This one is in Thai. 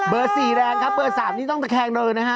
เบอร์๔แรงครับเบอร์๓นี้ต้องจะแข่งเลยนะคะ